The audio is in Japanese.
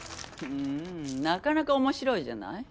なかなか面白いじゃない。